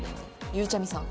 「ゆうちゃみさん。